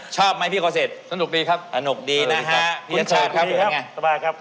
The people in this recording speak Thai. ชอบไหมพี่โคสิตสนุกดีครับสนุกดีครับ